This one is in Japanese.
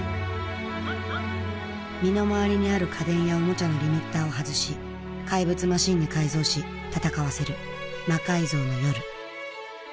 身の回りにある家電やオモチャのリミッターを外し怪物マシンに改造し戦わせる「魔改造の夜」。